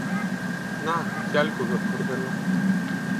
Να και άλλη κορδέλα